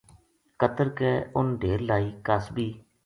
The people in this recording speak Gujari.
کتر کے اُن ڈھیر لائی قاصبی